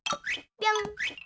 ぴょん！